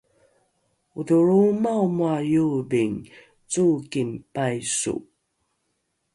odholroomao moa iobingi cookingi paiso